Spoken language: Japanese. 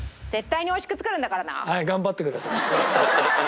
はい頑張ってください。